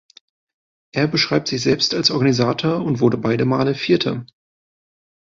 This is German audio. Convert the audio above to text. Er beschrieb sich selbst als Organisator und wurde beide Male Vierter.